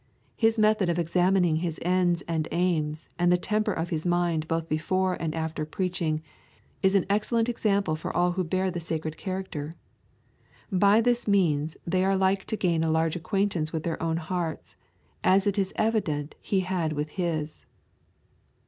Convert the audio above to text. His method of examining his ends and aims and the temper of his mind both before and after preaching, is an excellent example for all who bear the sacred character. By this means they are like to gain a large acquaintance with their own hearts, as it is evident he had with his.'